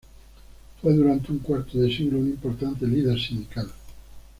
Fue durante un cuarto de siglo un importante líder sindical.